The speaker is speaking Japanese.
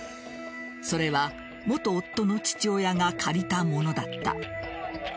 それは元夫の父親が借りたものだった。